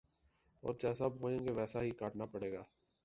، اور جیسا بوئیں گے ویسا ہی کاٹنا پڑے گا